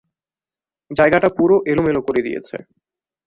জায়গাটা পুরো এলোমেলো করে দিয়েছে।